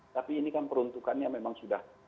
tapi ini kan peruntukannya memang sudah